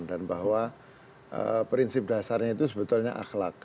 dan bahwa prinsip dasarnya itu sebetulnya akhlak